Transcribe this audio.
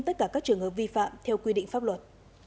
tất cả các trường hợp vi phạm theo quy định pháp luật